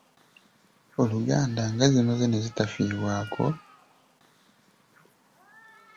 Oluganda nga zimaze ne zitafiibwako?